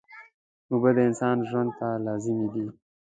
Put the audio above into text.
اوبه د انسان ژوند ته لازمي دي